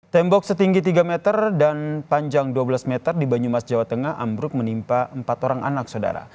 tembok setinggi tiga meter dan panjang dua belas meter di banyumas jawa tengah ambruk menimpa empat orang anak saudara